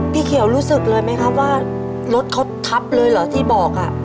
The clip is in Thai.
พี่เขียวรู้สึกเลยไหมครับว่ารถเขาทับเลยเหรอที่บอกอ่ะ